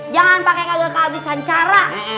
jangan pake kaget kehabisan cara